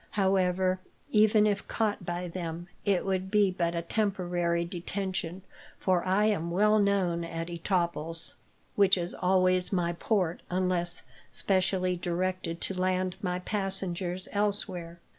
However, even if caught by them, it would be but a temporary detention, for I am well known at Etaples, which is always my port, unless specially directed to land my passengers elsewhere."